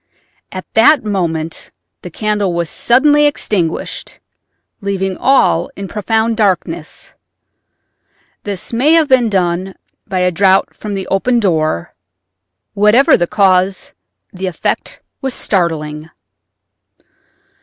At that moment the candle was suddenly extinguished, leaving all in profound darkness. This may have been done by a draught from the opened door; whatever the cause, the effect was startling.